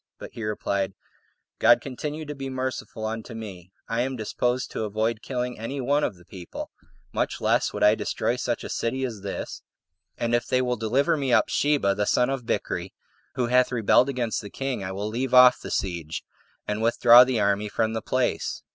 But he replied, "God continue to be merciful unto me: I am disposed to avoid killing any one of the people, much less would I destroy such a city as this; and if they will deliver me up Sheba, the son of Bichri, who hath rebelled against the king, I will leave off the siege, and withdraw the army from the place."